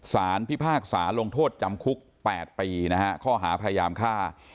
พิพากษาลงโทษจำคุก๘ปีนะฮะข้อหาพยายามฆ่า